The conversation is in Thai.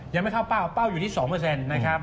ยังไม่เข้าเป้าเป้าอยู่ที่๒เปอร์เซ็นต์นะครับ